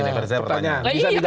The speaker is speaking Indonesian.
ini kan sasar saja dong